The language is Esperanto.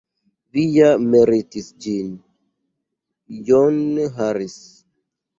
Vi ja meritis ĝin, John Harris.